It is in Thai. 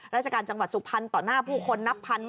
ราชการจังหวัดสุพรรณต่อหน้าผู้คนนับพัน